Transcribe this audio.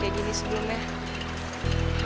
apalagi dulu gue sering banget ngeledekin si kei